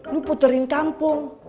lu puterin kampung